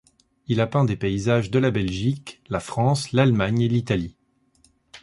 Il a peint des paysages de la Belgique, la France, l'Allemagne et l'Italie.